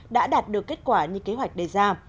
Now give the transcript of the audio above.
đã đạt được kết quả như kế hoạch đề ra